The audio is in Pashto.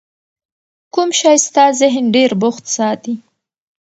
کوم شی ستا ذهن ډېر بوخت ساتي؟